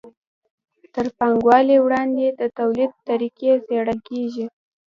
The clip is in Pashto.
تر پانګوالۍ وړاندې د توليد طریقې څیړل کیږي.